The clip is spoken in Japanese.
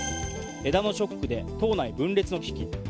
枝野ショックで党内分裂の危機？